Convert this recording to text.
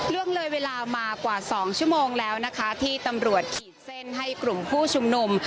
ล่วงเลยเวลามากว่า๒ชั่วโมงแล้วนะคะที่ตำรวจขีดเส้นให้กลุ่มผู้ชุมนุม